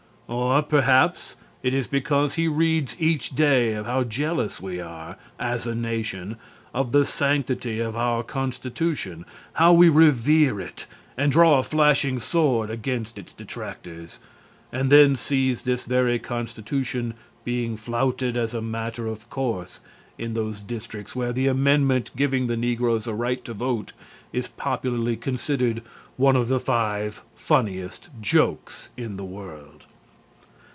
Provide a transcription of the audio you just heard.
Or perhaps it is because he reads each day of how jealous we are, as a Nation, of the sanctity of our Constitution, how we revere it and draw a flashing sword against its detractors, and then sees this very Constitution being flouted as a matter of course in those districts where the amendment giving the negroes a right to vote is popularly considered one of the five funniest jokes in the world.